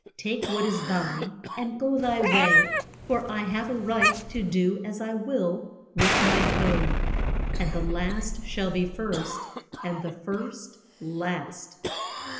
Take what is thine, and go thy way; for I have a right to do as I will with mine own. And the last shall be first and the first last.